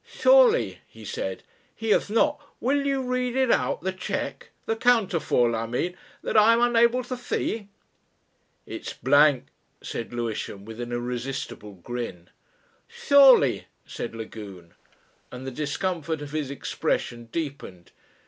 "Surely," he said, "he has not Will you read it out the cheque, the counterfoil I mean, that I am unable to see?" "It's blank," said Lewisham with an irresistible grin. "Surely," said Lagune, and the discomfort of his expression deepened.